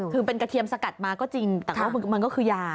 คือเป็นกระเทียมสกัดมาก็จริงแต่ว่ามันก็คือยา